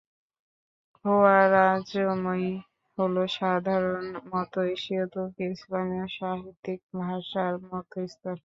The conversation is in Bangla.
খোয়ারাজমীয় হলো সাধারণ মধ্য এশীয় তুর্কি-ইসলামি সাহিত্যিক ভাষার মধ্য স্তর।